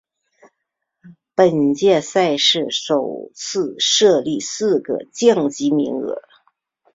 本届赛事首次设立四个降级名额。